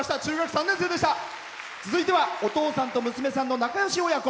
続いてはお父さんと娘さんの仲よし親子。